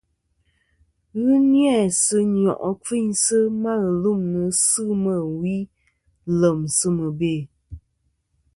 Ghɨ ni-a sɨ nyo' kfiynsɨ ma ghɨlûmnɨ sɨ meyn ɨ wi lèm sɨ mɨbè.